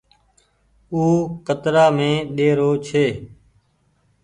او ڪترآ مي ۮيرو ڇي۔